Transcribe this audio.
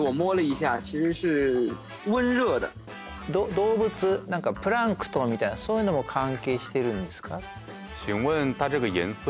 動物何かプランクトンみたいなそういうのも関係してるんですかって。